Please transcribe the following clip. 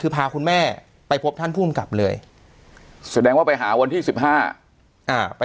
คือพาคุณแม่ไปพบท่านผู้กำกับเลยแสดงว่าไปหาวันที่สิบห้าอ่าไป